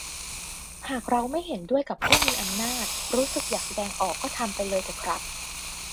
หากเราไม่เห็นด้วยกับผู้มีอำนาจ รู้สึกอยากแสดงออกก็ทำไปเลยเถอะครับ